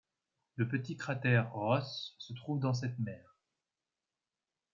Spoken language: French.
Le petit cratère Rosse se trouve dans cette mer.